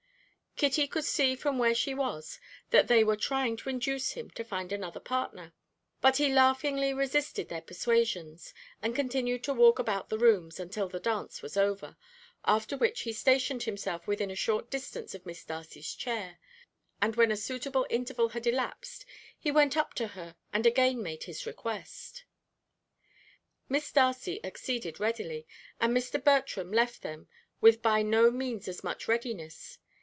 Kitty could see from where she was that they were trying to induce him to find another partner, but he laughingly resisted their persuasions, and continued to walk about the rooms until the dance was over, after which he stationed himself within a short distance of Miss Darcy's chair, and when a suitable interval had elapsed, he went up to her and again made his request. Miss Darcy acceded readily, and Mr. Bertram left them with by no means as much readiness.